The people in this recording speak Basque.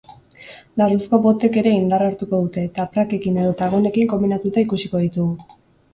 Larruzko botek ere indarra hartuko dute eta prakekin edota gonekin konbinatuta ikusiko ditugu.